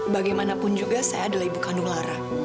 bagaimanapun juga saya adalah ibu kandung lara